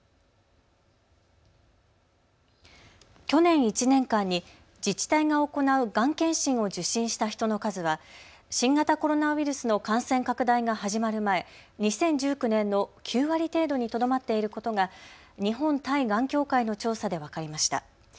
去年１年間に自治体が行うがん検診を受診した人の数は新型コロナウイルスの感染拡大が始まる前、２０１９年の９割程度にとどまっていることが日本対がん協会の調査で分かりました。